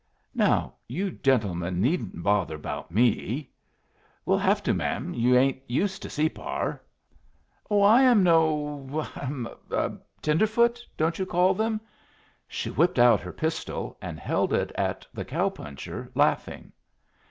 "Now you gentlemen needn't bother about me." "We'll have to, m'm. You ain't used to Separ." "Oh, I am no tenderfoot, don't you call them?" She whipped out her pistol, and held it at the cow puncher, laughing.